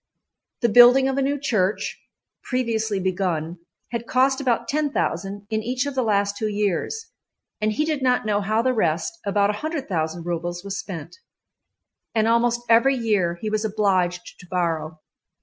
The building of a new church, previously begun, had cost about 10,000 in each of the last two years, and he did not know how the rest, about 100,000 rubles, was spent, and almost every year he was obliged to borrow.